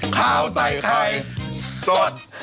ข้าวใส่ไข่สด